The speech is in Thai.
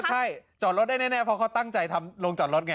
ใช่จอดรถได้แน่เพราะเขาตั้งใจทำโรงจอดรถไง